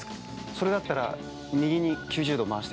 それだったら右に９０度回して。